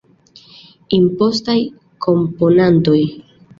Impostaj komponantoj.